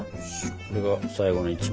これが最後の１枚。